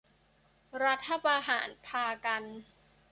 รัฐประหารพากัน